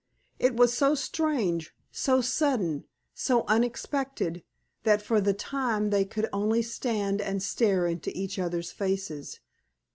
It was so strange, so sudden, so unexpected, that for the time they could only stand and stare into each other's faces.